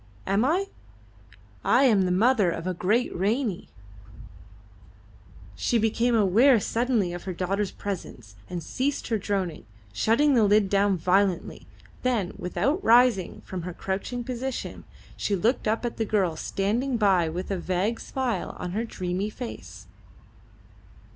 Am I? I am the mother of a great Ranee!" She became aware suddenly of her daughter's presence, and ceased her droning, shutting the lid down violently; then, without rising from her crouching position, she looked up at the girl standing by with a vague smile on her dreamy face.